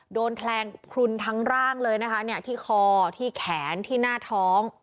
โดนแทงพลุนทั้งร่างเลยนะคะเนี่ยที่คอที่แขนที่หน้าท้อง